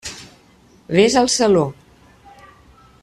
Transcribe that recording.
Vés al saló.